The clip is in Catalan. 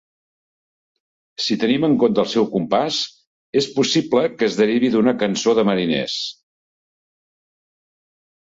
Si tenim en compte el seu compàs, és possible que es derivi d"una cançó de mariners.